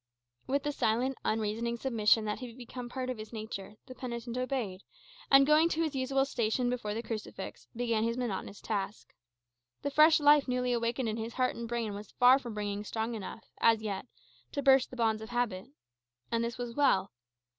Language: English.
With the silent, unreasoning submission that had become a part of his nature, the penitent obeyed; and, going to his usual station before the crucifix, began his monotonous task. The fresh life newly awakened in his heart and brain was far from being strong enough, as yet, to burst the bonds of habit. And this was well.